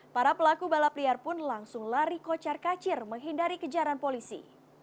para pelaku balap liar pun langsung lari kocar kacir menghindari kejaran polisi